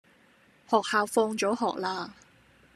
學校放咗學喇